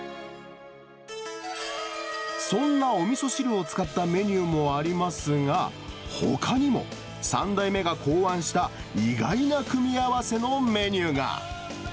そんなおみそ汁を使ったメニューもありますが、ほかにも、３代目が考案した意外な組み合わせのメニューが。